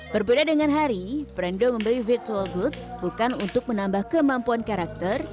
berbeda dengan harry frendo membeli virtual goods bukan untuk menambah kemampuan karakter